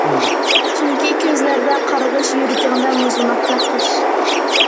چۈنكى كۆزلەردە قارغىش يۈرىكىڭدە مۇزلىماقتا قىش.